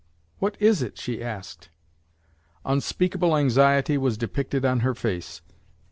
"What is it?" she asked. Unspeakable anxiety was depicted on her face.